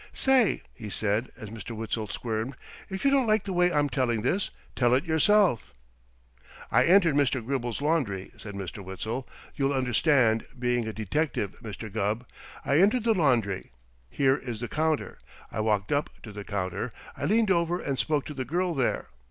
Say," he said, as Mr. Witzel squirmed, "if you don't like the way I'm telling this, tell it yourself." "I entered Mr. Gribble's laundry," said Mr. Witzel. "You'll understand, being a detective, Mr. Gubb. I entered the laundry. Here is the counter. I walked up to the counter. I leaned over and spoke to the girl there.